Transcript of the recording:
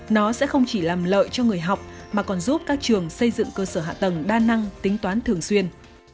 nó sẽ không chỉ làm lợi cho người học mà còn giúp các trường xây dựng cơ sở hạ tầng đa năng tính toán thường xuyên